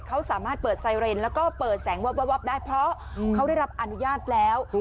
เขาสามารถเปิดไซเรนแล้วก็เปิดแสงวับได้เพราะเขาได้รับอนุญาตแล้ว